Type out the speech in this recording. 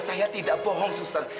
saya tidak bohong suster